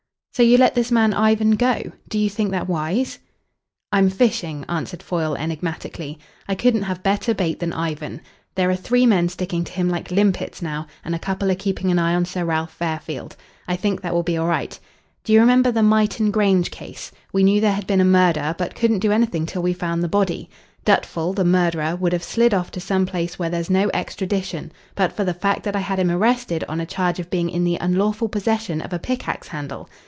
"So you let this man Ivan go? Do you think that wise?" "I'm fishing," answered Foyle enigmatically. "I couldn't have better bait than Ivan. There are three men sticking to him like limpets now, and a couple are keeping an eye on Sir Ralph Fairfield. I think that will be all right. Do you remember the Mighton Grange case? We knew there had been a murder, but couldn't do anything till we found the body. Dutful, the murderer, would have slid off to some place where there's no extradition, but for the fact that I had him arrested on a charge of being in the unlawful possession of a pickaxe handle.